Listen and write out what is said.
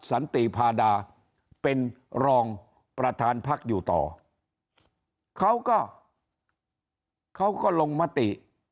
สันติพาดาเป็นรองประธานพักอยู่ต่อเขาก็เขาก็ลงมติ